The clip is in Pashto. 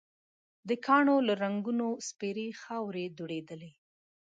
د کاڼو له رنګونو سپېرې خاورې دوړېدلې.